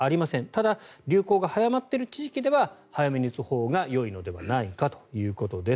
ただ、流行が早まっている地域では早めに打つほうがよいのではないかということです。